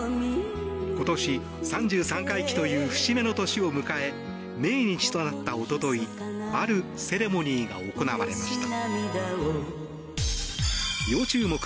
今年３３回忌という節目の年を迎え命日となったおとといあるセレモニーが行われました。